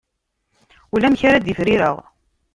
Ulamek ara d-ifrireɣ.